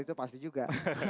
itu pasti juga